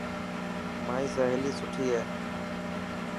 مائي سهيلي سٺي هي.